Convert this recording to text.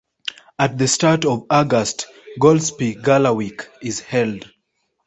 At the start of August Golspie Gala Week is held.